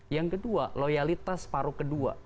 yang kedua loyalitas paru ke dua